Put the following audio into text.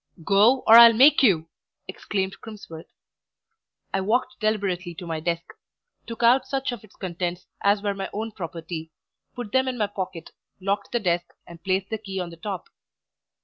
"Go, or I'll make you!" exclaimed Crimsworth. I walked deliberately to my desk, took out such of its contents as were my own property, put them in my pocket, locked the desk, and placed the key on the top.